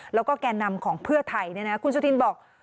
แล้วก็แก่นำของเพื่อไทยคุณสุธินบอก